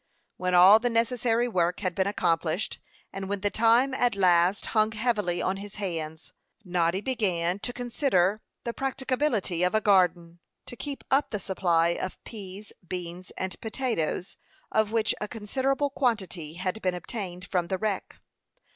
When all the necessary work had been accomplished, and when the time at last hung heavily on his hands, Noddy began to consider the practicability of a garden, to keep up the supply of peas, beans, and potatoes, of which a considerable quantity had been obtained from the wreck.